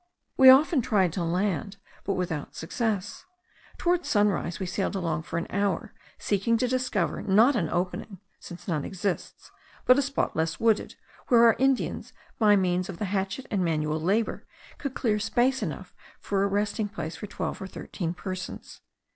We often tried to land, but without success. Towards sunset we sailed along for an hour seeking to discover, not an opening (since none exists), but a spot less wooded, where our Indians by means of the hatchet and manual labour, could clear space enough for a resting place for twelve or thirteen persons.